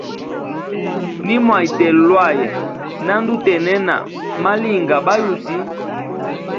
Nimwa itela lwaya, na ndutenena malingi ga ba yusi.